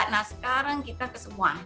nah sekarang kita kesemua